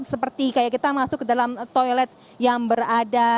seperti kayak kita masuk ke dalam toilet yang berada